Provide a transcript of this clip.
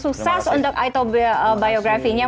sukses untuk autobiografinya